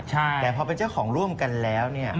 ใช่แต่พอเป็นเจ้าของร่วมกันแล้ว